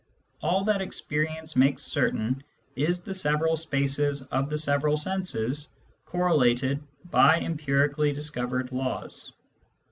All that experience makes certain is the several spaces of the several senses, correlated by empirically dis covered laws.